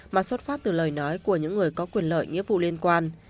mà xuất phát từ lời nói của những người có quyền lợi nghĩa vụ liên quan